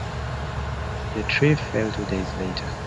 The tree fell two days later.